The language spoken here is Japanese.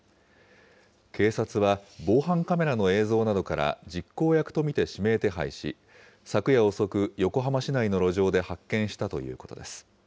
警察は、防犯カメラの映像などから、実行役と見て指名手配し、昨夜遅く、横浜市内の路上で発見したということです。